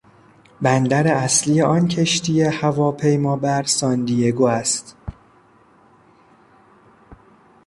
بندر اصلی آن کشتی هواپیمابر ساندیگو است.